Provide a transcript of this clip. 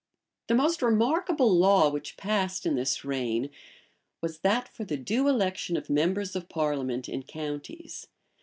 The most remarkable law which passed in this reign, was that for the due election of members of parliament in counties.